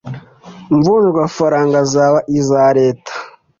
mvunjwafaranga zaba iza leta